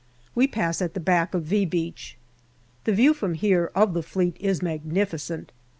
We pass at the back of " V " Beach. The view from here of the APRIL 61 Fleet is magnificent.